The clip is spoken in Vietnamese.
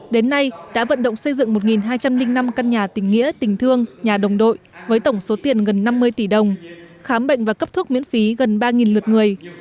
đến nay đã vận động xây dựng một hai trăm linh năm căn nhà tình nghĩa tình thương nhà đồng đội với tổng số tiền gần năm mươi tỷ đồng khám bệnh và cấp thuốc miễn phí gần ba lượt người